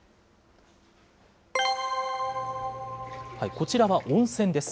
こちらは温泉です。